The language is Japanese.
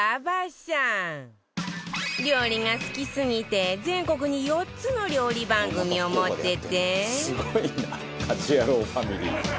料理が好きすぎて全国に４つの料理番組を持ってて